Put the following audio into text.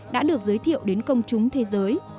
đã được giới thiệu đến công chúng thế giới